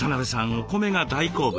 お米が大好物。